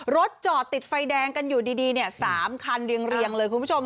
รถจอดติดไฟแดงกันอยู่ดี๓คันเรียงเลยคุณผู้ชม